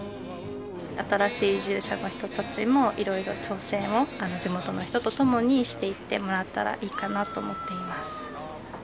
新しい移住者の人たちもいろいろ挑戦を地元の人とともにしていってもらったらいいかなと思っています。